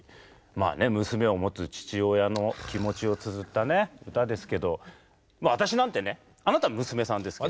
まあね娘を持つ父親の気持ちをつづった歌ですけどまあ私なんてねあなた娘さんですけど。